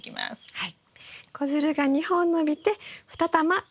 はい。